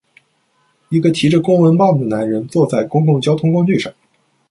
一个提着公文包的男人坐在公共交通工具上。